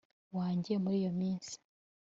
wanjye muri iyo minsi